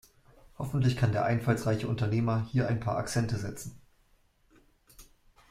Hoffentlich kann der einfallsreiche Unternehmer hier ein paar Akzente setzen.